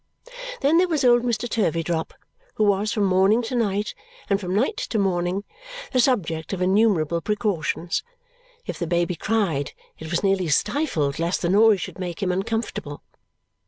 Then there was old Mr. Turveydrop, who was from morning to night and from night to morning the subject of innumerable precautions. If the baby cried, it was nearly stifled lest the noise should make him uncomfortable.